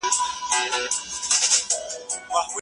ایا دویم نسل تاریخ په سمه بڼه اوري؟